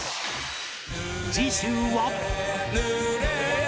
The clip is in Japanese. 次週は